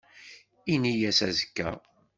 Ini-as azekka.